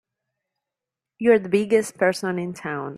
You're the biggest person in town!